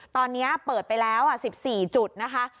ตอนนี้เปิดไปแล้ว๑๔จุดนะคะ